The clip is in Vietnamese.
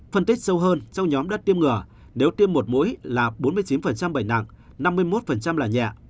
phân tích sâu hơn trong nhóm đất tiêm ngừa nếu tiêm một mũi là bốn mươi chín bệnh nặng năm mươi một là nhẹ